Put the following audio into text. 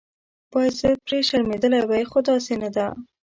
باید زه پرې شرمېدلې وای خو داسې نه ده.